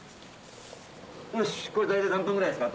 これで大体何分ぐらいですか？